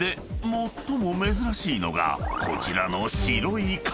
最も珍しいのがこちらの］